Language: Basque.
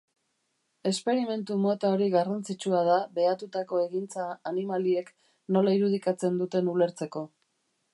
Esperimentu mota hori garrantzitsua da behatutako egintza animaliek nola irudikatzen duten ulertzeko.